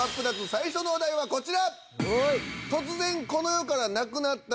最初のお題はこちら。